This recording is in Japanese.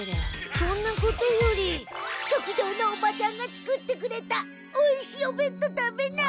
そんなことより食堂のおばちゃんが作ってくれたおいしいお弁当食べない？